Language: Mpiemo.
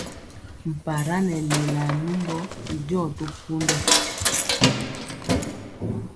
Mpara nɛ lelaa numbɔ i jɔ to pundɔ.